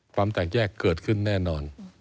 ความแตกแยกเกิดขึ้นแน่นอน